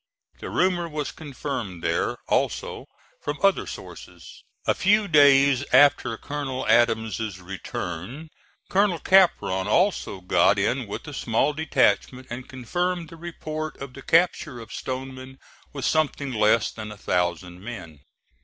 The rumor was confirmed there, also, from other sources. A few days after Colonel Adams's return Colonel Capron also got in with a small detachment and confirmed the report of the capture of Stoneman with something less than a thousand men.